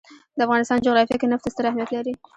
د افغانستان جغرافیه کې نفت ستر اهمیت لري.